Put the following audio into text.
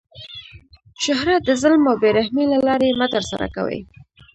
شهرت د ظلم او بې رحمۍ له لاري مه ترسره کوئ!